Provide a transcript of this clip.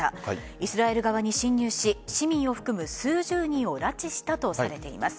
イスラエル側に侵入し市民を含む数十人を拉致したとされています。